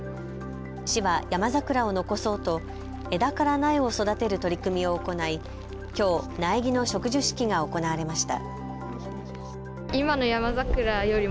市はヤマザクラを残そうと枝から苗を育てる取り組みを行いきょう苗木の植樹式が行われました。